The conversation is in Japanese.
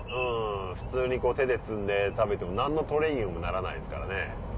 普通にこう手で摘んで食べても何のトレーニングにもならないですからね。